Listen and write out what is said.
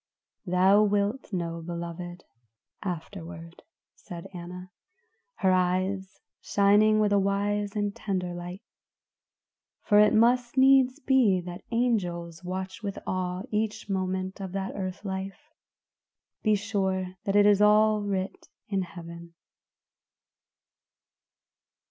"Thou wilt know, beloved, afterward," said Anna, her eyes shining with a wise and tender light. "For it must needs be that angels watched with awe each moment of that earth life; be sure that it is all writ in heaven."